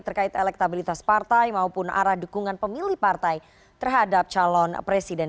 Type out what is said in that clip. terkait elektabilitas partai maupun arah dukungan pemilih partai terhadap calon presiden